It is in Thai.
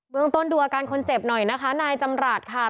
เมืองต้นดูอาการคนเจ็บหน่อยนะคะนายจำรัฐค่ะ